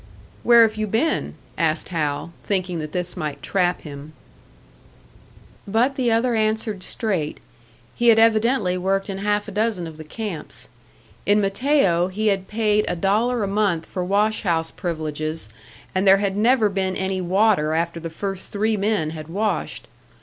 "Where have you been?" asked Hal, thinking that this might trap him. But the other answered straight; he had evidently worked in half a dozen of the camps. In Mateo he had paid a dollar a month for wash house privileges, and there had never been any water after the first three men had washed.